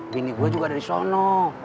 bini gue juga ada disono